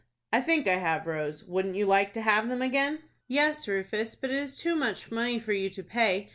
"I think I have, Rose. Wouldn't you like to have them again?" "Yes, Rufus; but it is too much money for you to pay.